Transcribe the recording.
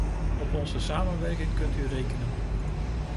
Op onze samenwerking kunt u rekenen.